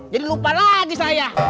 jadi lupa lagi saya